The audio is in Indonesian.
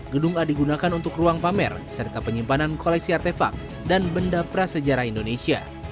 gedung a digunakan untuk ruang pamer serta penyimpanan koleksi artefak dan benda prasejarah indonesia